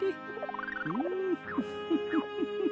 うんフッフフフ。